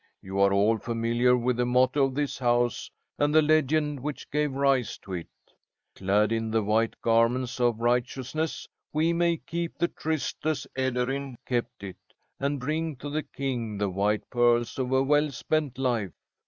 You are all familiar with the motto of this house, and the legend which gave rise to it. Clad in the white garments of Righteousness, we may keep the tryst as Ederyn kept it, and bring to the King the white pearls of a well spent life.